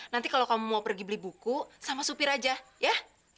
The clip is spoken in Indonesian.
nanti kalau kamu mau pergi beli buku sama supir aja ya